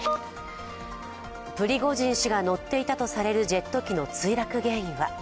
プリゴジン氏が乗っていたとされるジェット機の墜落原因は。